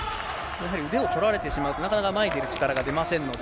やはり腕を取られてしまうと、なかなか前へ出る力が出ませんので。